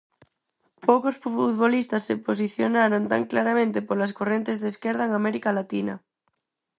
Poucos futbolistas se posicionaron tan claramente polas correntes de esquerda en América Latina.